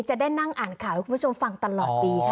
จะได้นั่งอ่านข่าวให้คุณผู้ชมฟังตลอดปีค่ะ